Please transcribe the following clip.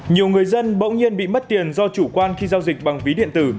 nhiều người dân bỗng nhiên bị mất tiền do chủ quan khi giao dịch bằng ví điện tử